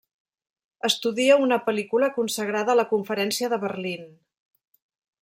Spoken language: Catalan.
Estudia una pel·lícula consagrada a la conferència de Berlín.